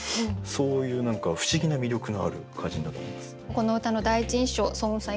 この歌の第一印象双雲さん